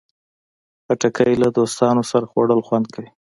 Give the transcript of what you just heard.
خټکی له دوستانو سره خوړل خوند کوي.